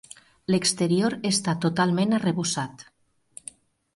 L'exterior està totalment arrebossat.